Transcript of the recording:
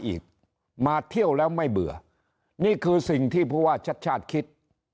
อีกมาเที่ยวแล้วไม่เบื่อนี่คือสิ่งที่ผู้ว่าชัดชาติคิด